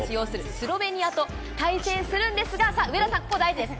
スロベニアと対戦するんですが、さあ、上田さん、ここ大事です。